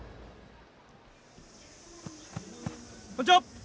こんにちは！